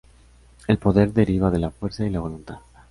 El poder deriva de la fuerza y la voluntad.